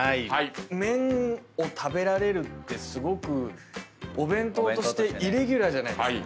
麺を食べられるってすごくお弁当としてイレギュラーじゃないですか。